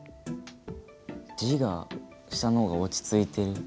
字が下の方が落ち着いてる。